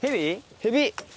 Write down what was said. ヘビ。